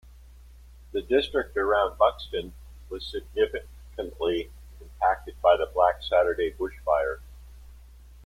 The district around Buxton was significantly impacted by the Black Saturday bushfires.